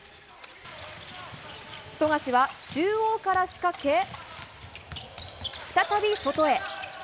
富樫は中央から仕掛け再び外へ。